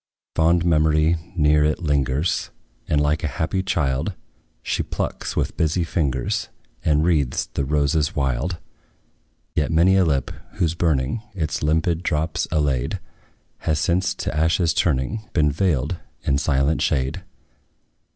Fond memory near it lingers, And, like a happy child, She plucks, with busy fingers, And wreathes the roses wild. Yet many a lip, whose burning Its limpid drops allayed, Has since, to ashes turning, Been veiled in silent shade.